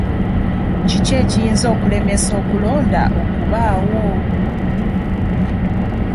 Ki ekiyinza okulemesa okulonda okubaawo?